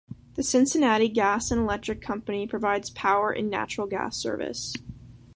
The Cincinnati Gas and Electric Company provides power and natural gas service.